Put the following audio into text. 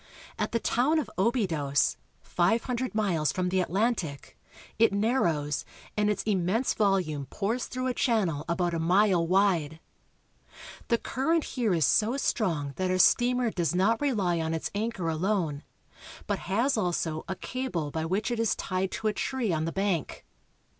At the town of Obidos (o be^dos), five hundred miles from the Atlantic, it narrows, and its immense volume pours through a channel about a mile wide. The current here is so strong that our steamer does not rely on its anchor alone, but has also a cable by which it is tied to a tree on the bank.